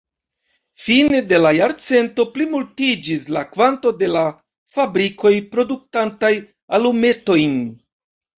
Fine de la jarcento plimultiĝis la kvanto de la fabrikoj produktantaj alumetojn.